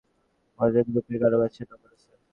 মনে হয় না গ্রুপের কারও কাছে ওর নম্বর আছে।